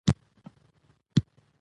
د پرېکړو کیفیت ارزښت لري